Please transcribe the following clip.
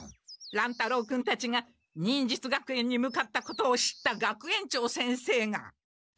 乱太郎君たちが忍術学園に向かったことを知った学園長先生が。